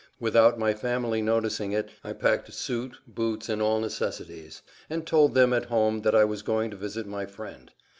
Without my family noticing it I packed a suit, boots, and all necessities, and told them at home that I was going to visit my friend.